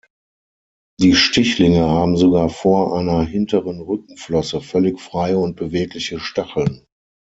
Die Stichlinge haben sogar vor einer hinteren Rückenflosse völlig freie und bewegliche Stacheln.